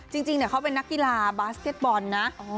จริงเขาเป็นนักกีฬาบาสเก็ตบอลนะ